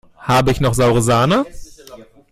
Habe ich noch saure Sahne?